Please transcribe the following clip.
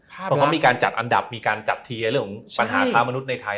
เพราะเขามีการจัดอันดับมีการจัดทีเรื่องของปัญหาค้ามนุษย์ในไทย